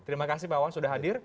terima kasih pawawan sudah hadir